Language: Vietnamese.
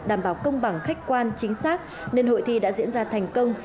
đảm bảo công bằng khách quan chính xác nên hội thi đã diễn ra thành công